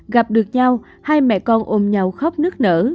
gặp được nhau hai mẹ con ôm nhau khóc nước nở